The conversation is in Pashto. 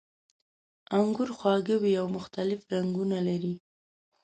انګور خواږه وي او مختلف رنګونه لري.